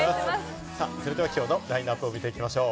それでは今日のラインナップを見ていきましょう。